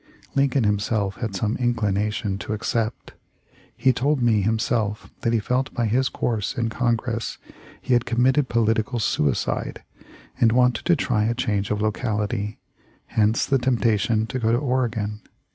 Lincoln himself had some inclination to accept. He told me himself that he felt by his course in Congress he had committed political sui cide, and wanted to try a change of locality — hence the temptation to go to Oregon.